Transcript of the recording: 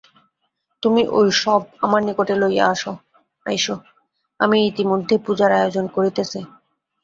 তুমি ঐ শব আমার নিকটে লইয়া আইস আমি ইতিমধ্যে পূজার আয়োজন করিতেছি।